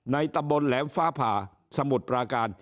ในตะบลแหลมฟ้าผ่าสมุดประการ